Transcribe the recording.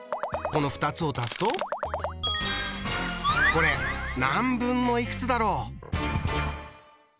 この２つを足すとこれ何分のいくつだろう？